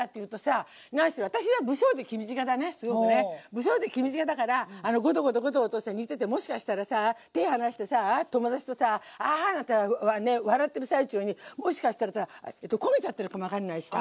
不精で気短だからゴトゴトゴトゴト煮ててもしかしたらさ手離してさ友達とさアハハなんて笑ってる最中にもしかしたらさ焦げちゃってるかも分かんないしさ。